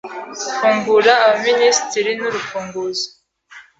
Fungura abaminisitiri nurufunguzo.